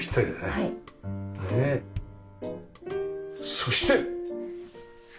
そして。